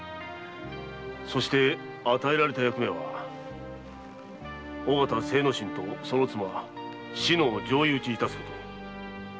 そして与えられた役目は尾形精之進とその妻・篠を上意討ち致すこと。